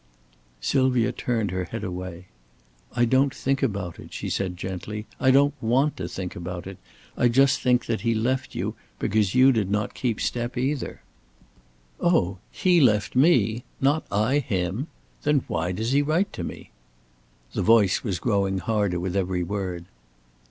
Sylvia turned her head away. "I don't think about it," she said, gently. "I don't want to think about it. I just think that he left you, because you did not keep step either." "Oh, he left me? Not I him? Then why does he write to me?" The voice was growing harder with every word.